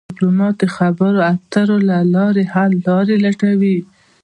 ډيپلومات د خبرو اترو له لارې حل لارې لټوي.